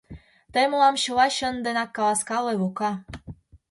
Тый мылам чыла чын денак каласкале, Лука.